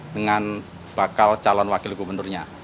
dengan bakal calon wakil gubernurnya